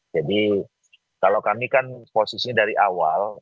jadi kalau kami kan posisinya dari awal